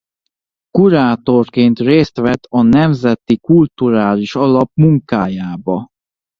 Kurátorként részt vett a Nemzeti Kulturális Alap munkájában.